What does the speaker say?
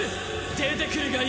出てくるがいい！